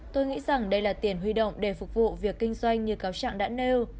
tôi nghĩ rằng đây là tiền huy động để phục vụ việc kinh doanh như cáo trạng đã nêu